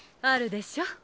あるでしょ。